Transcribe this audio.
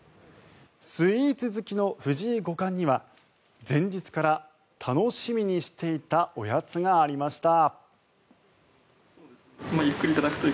スイーツ好きの藤井五冠には前日から楽しみにしていたおやつがありました。